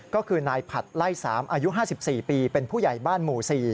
ก็คือนายผัดไล่๓อายุ๕๔ปีเป็นผู้ใหญ่บ้านหมู่๔